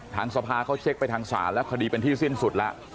ทางสภาเขาเช็คไปทางศาลแล้วคดีเป็นที่สิ้นสุดแล้ว